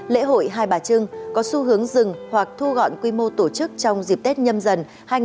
lễ hội hai bà trưng có xu hướng dừng hoặc thu gọn quy mô tổ chức trong dịp tết nhâm dần hai nghìn hai mươi